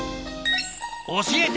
教えて！